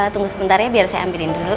tunggu sebentar ya biar saya ambilin dulu